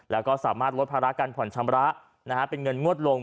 แล้วก็สามารถลดภาระการผ่อนชำระเป็นเงินงวดลง